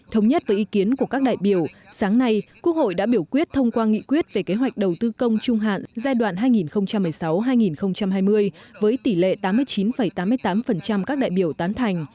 thống nhất với ý kiến của các đại biểu sáng nay quốc hội đã biểu quyết thông qua nghị quyết về kế hoạch đầu tư công trung hạn giai đoạn hai nghìn một mươi sáu hai nghìn hai mươi với tỷ lệ tám mươi chín tám mươi tám các đại biểu tán thành